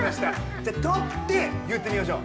じゃあとって言ってみましょう。